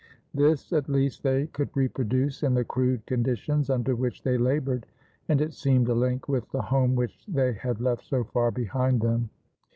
This at least they could reproduce in the crude conditions under which they labored, and it seemed a link with the home which they had left so far behind them.